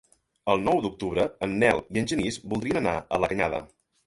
El nou d'octubre en Nel i en Genís voldrien anar a la Canyada.